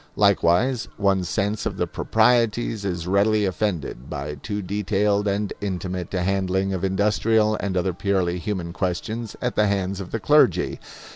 Likewise, one's sense of the proprieties is readily offended by too detailed and intimate a handling of industrial and other purely human questions at the hands of the clergy.